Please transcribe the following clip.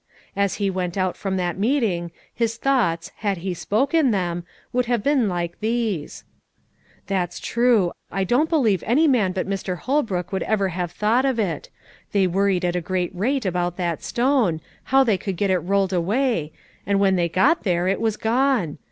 As he went out from that meeting, his thoughts, had he spoken them, would have been like these: "That's true, I don't believe any man but Mr. Holbrook would ever have thought of it: they worried at a great rate about that stone, how they would get it rolled away, and when they got there it was gone.